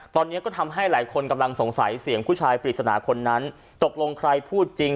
ตอนนี้ก็ทำให้หลายคนกำลังสงสัยเสียงผู้ชายปริศนาคนนั้นตกลงใครพูดจริง